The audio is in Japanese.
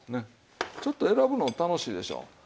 ちょっと選ぶの楽しいでしょう。